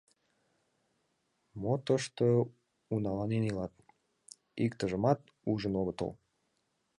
Мо тыште уналанен илат — иктыжымат ужын огытыл.